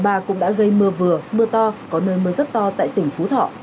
bảo số ba cũng đã gây mưa vừa mưa to có nơi mưa rất to tại tỉnh phú thọ